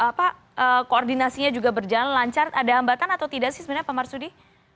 apa koordinasinya juga berjalan lancar ada hambatan atau tidak sih sebenarnya pak marsudi